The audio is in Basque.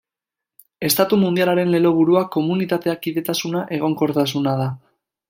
Estatu Mundialaren lelo-burua Komunitatea, Kidetasuna, Egonkortasuna da.